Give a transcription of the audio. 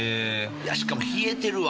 しかも冷えてるわ。